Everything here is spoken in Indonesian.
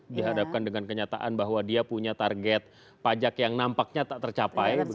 dihadapkan dengan kenyataan bahwa dia punya target pajak yang nampaknya tak tercapai